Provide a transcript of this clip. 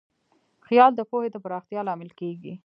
خیال د پوهې د پراختیا لامل کېږي.